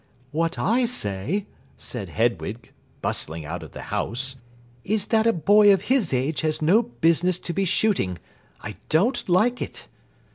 "What I say," said Hedwig, bustling out of the house, "is that a boy of his age has no business to be shooting. I don't like it."